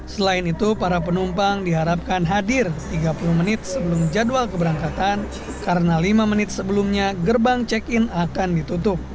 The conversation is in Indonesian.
selain itu para penumpang diharapkan hadir tiga puluh menit sebelum jadwal keberangkatan karena lima menit sebelumnya gerbang check in akan ditutup